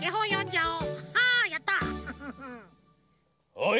・おい！